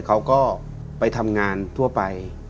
เขาก็ไปทำงานทั่วไป